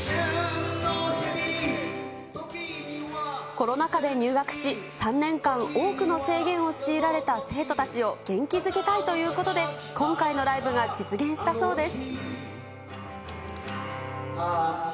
コロナ禍で入学し、３年間多くの制限を強いられた生徒たちを元気づけたいということで、今回のライブが実現したそうです。